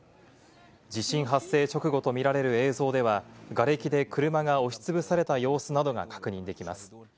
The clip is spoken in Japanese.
地震発生直後と見られる映像では、がれきで車が押しつぶされた様子などが確認できます。